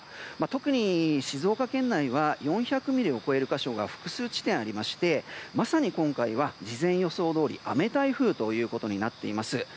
特に静岡県内は４００ミリを超える箇所が複数地点ありましてまさに今回は事前予想どおり雨台風ということになっています。